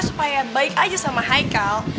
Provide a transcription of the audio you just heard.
supaya baik aja sama haikal